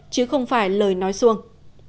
chứ không phải lời nói xuông